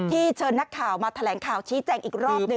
เชิญนักข่าวมาแถลงข่าวชี้แจงอีกรอบหนึ่ง